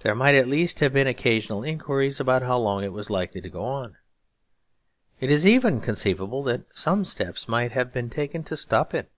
There might at least have been occasional inquiries about how long it was likely to go on. It is even conceivable that some steps might have been taken to stop it.